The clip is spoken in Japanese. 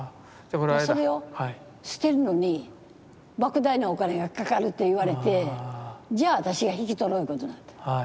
それを捨てるのにばく大なお金がかかるっていわれてじゃあ私が引き取ろういうことになった。